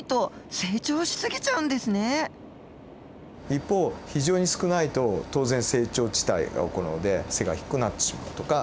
一方非常に少ないと当然成長遅滞が起こるので背が低くなってしまうとか